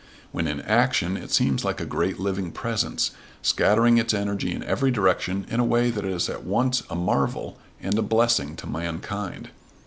When in action it seems like a great living presence, scattering its energy in every direction in a way that is at once a marvel and a blessing to mankind.